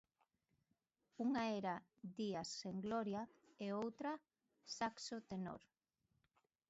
Unha era 'Días sen gloria' e outra, 'Saxo Tenor'.